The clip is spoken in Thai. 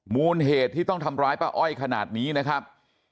มูลเหตุที่ต้องทำร้ายป้าอ้อยขนาดนี้นะครับ